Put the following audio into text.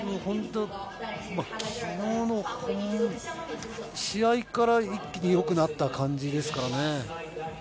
昨日の試合から一気によくなった感じですからね。